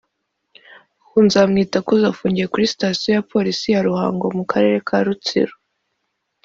ubu Nzamwitakuze afungiye kuri Sitasiyo ya Polisi ya Ruhango mu karere ka Rutsiro